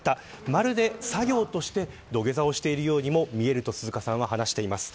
まるで、作業として土下座をしているようにも見えると鈴鹿さんは話しています。